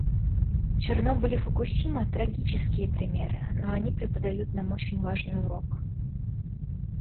Чернобыль и Фукусима — трагические примеры, но они преподают нам очень важный урок.